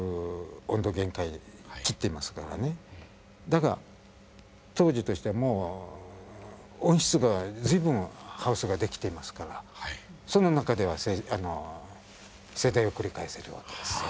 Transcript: だが当時としてもう温室が随分ハウスができていますからその中では生態を繰り返せるわけですよ。